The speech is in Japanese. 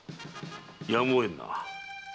やむをえんな。